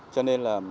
cho nên là